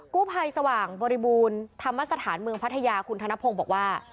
กู้ภัยสว่างบริบูรณ์ธรรมสถานเมืองพัทยาคุณธนพงศ์บอกว่า